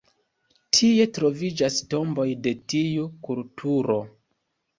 Tie troviĝas tomboj de tiu kulturo.